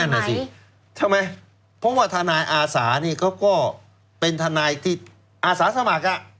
เออนั่นแหละสิเข้าไหมเพราะว่าธนายอาสาเนี่ยก็ก็เป็นธนายที่อาสาสมัคร